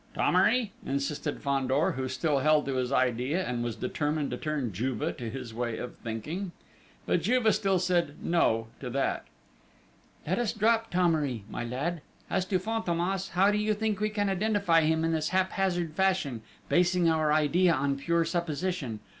"Thomery?" insisted Fandor, who still held to his idea, and was determined to turn Juve to his way of thinking.... But Juve still said "no!" to that. "Let us drop Thomery, my lad! As to Fantômas, how do you think we can identify him in this haphazard fashion, basing our idea on pure supposition?